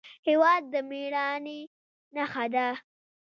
هېواد د مېړانې نښه ده.